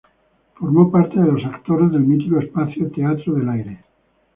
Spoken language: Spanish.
Formó parte de los actores del mítico espacio "Teatro del aire".